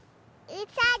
うさぎ？